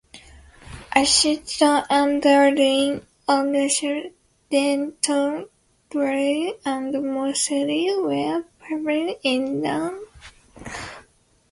Ashton-under-Lyne, Audenshaw, Denton, Droylsden, and Mossley were previously in Lancashire.